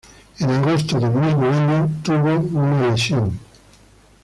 En agosto del mismo año tuvo una lesión.